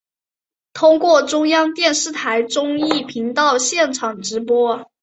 通过中央电视台综艺频道现场直播。